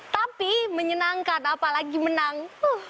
tapi menyenangkan apalagi menang